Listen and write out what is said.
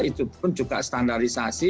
itu pun juga standarisasi